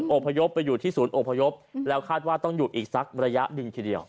พยพไปอยู่ที่ศูนย์อพยพแล้วคาดว่าต้องอยู่อีกสักระยะหนึ่งทีเดียว